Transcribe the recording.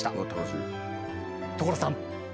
所さん！